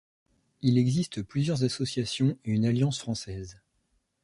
Il existe plusieurs associations et une Alliance française.